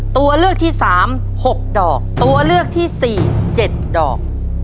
ตัวเลือกที่สามหกดอกตัวเลือกที่สี่เจ็ดดอก